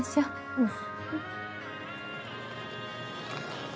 うん。